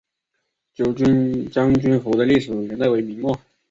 九军将军府的历史年代为明末。